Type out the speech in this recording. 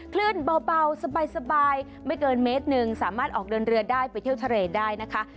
คลื่นเบาสบายไม่เกินเมตรหนึ่งสามารถออกเดินเรือได้ไปเที่ยวทะเลได้นะคะ